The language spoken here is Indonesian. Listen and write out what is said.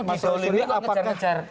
oh didolimi kok ngejar ngejar